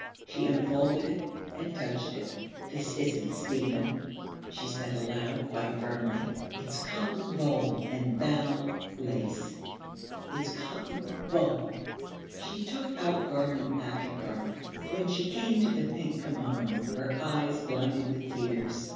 She unfolded it and touched it. 'This isn't Stephen,' she said aloud, quite firmly. 'It's cotton voile and val lace. It's cotton voile.' She took out garment after garment. When she came to the pink kimono her eyes blinded with tears.